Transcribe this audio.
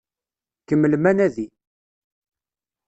Kemmlem anadi!